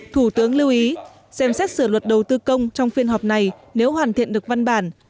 thủ tướng lưu ý xem xét sửa luật đầu tư công trong phiên họp này nếu hoàn thiện được văn bản